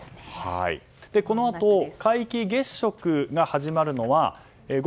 このあと皆既月食が始まるのは。